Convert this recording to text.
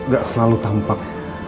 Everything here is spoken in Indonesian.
gak selalu tampak